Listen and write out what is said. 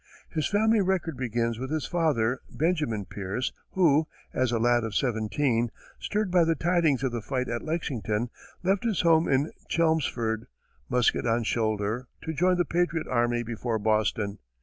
His family record begins with his father, Benjamin Pierce, who, as a lad of seventeen, stirred by the tidings of the fight at Lexington, left his home in Chelmsford, musket on shoulder, to join the patriot army before Boston.